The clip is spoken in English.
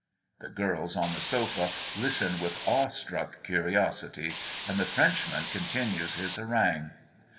The girls on the sofa listen with awe struck curiosity, and the Frenchman continues his harangue.